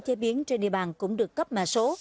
chế biến trên địa bàn cũng được cấp mã số